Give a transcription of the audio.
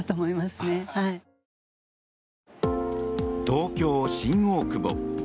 東京・新大久保。